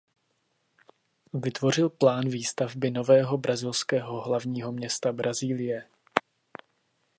Vytvořil plán výstavby nového brazilského hlavního města Brazílie.